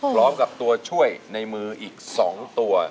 พร้อมกับตัวช่วยในมืออีก๒ตัว